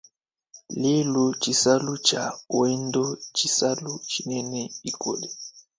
Lelu, tshisalu tshia wendo ntshisalu tshinene bikole.